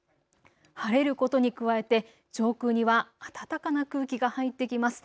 晴れることに加えて上空には暖かな空気が入ってきます。